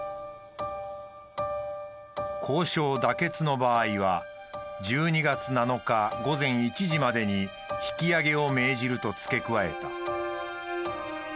「交渉妥結の場合は１２月７日午前１時までに引き揚げを命じる」と付け加えた。